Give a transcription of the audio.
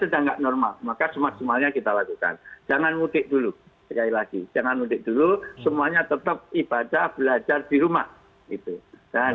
jangan mudik dulu sekali lagi jangan mudik dulu semuanya tetap ibadah belajar di rumah itu dan